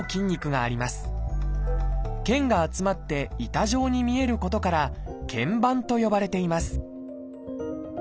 腱が集まって板状に見えることから「腱板」と呼ばれています